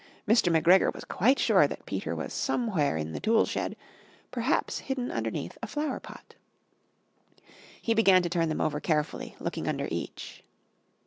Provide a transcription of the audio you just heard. Mr. McGregor was quite sure that Peter was somewhere in the tool shed, perhaps hidden underneath a flower pot. He began to turn them over carefully, looking under each.